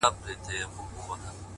د تهمتونو سنګسارونو شور ماشور تر کلي!